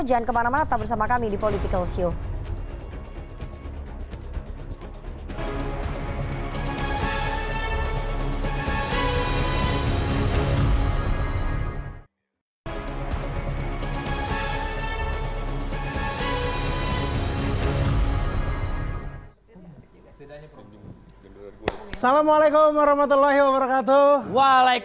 jangan kemana mana tetap bersama kami di politikalshow